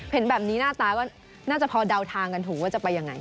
เห็นแบบนี้หน้าตาว่าน่าจะพอเดาทางกันถูกว่าจะไปยังไง